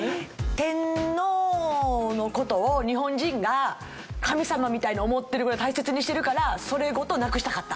天皇の事を日本人が神様みたいに思ってるぐらい大切にしてるからそれごとなくしたかった。